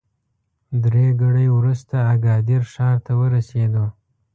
درې ګړۍ وروسته اګادیر ښار ته ورسېدو.